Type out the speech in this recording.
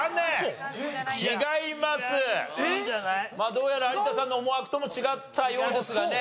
どうやら有田さんの思惑とも違ったようですがね。